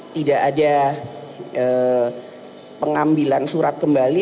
tidak ada pengambilan surat kembali